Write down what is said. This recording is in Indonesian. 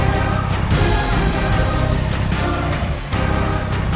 ya masuk silahkan masuk